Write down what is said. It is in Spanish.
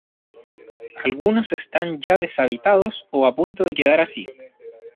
Algunos están ya deshabitados o a punto de quedar así.